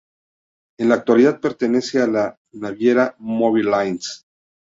En la actualidad pertenece a la naviera Moby Lines.